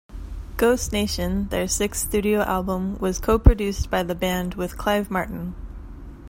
"Ghost Nation", their sixth studio album, was co-produced by the band with Clive Martin.